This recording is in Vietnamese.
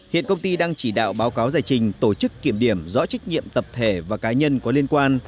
hiện công ty đang chỉ đạo báo cáo giải trình tổ chức kiểm điểm rõ trách nhiệm tập thể và cá nhân có liên quan